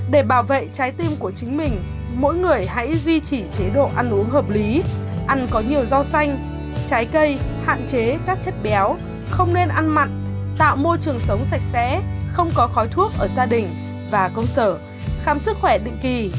để bảo vệ trái tim của chính mình mỗi người hãy duy trì chế độ ăn uống hợp lý ăn có nhiều rau xanh trái cây hạn chế các chất béo không nên ăn mặn tạo môi trường sống sạch sẽ không có khói thuốc ở gia đình và công sở khám sức khỏe định kỳ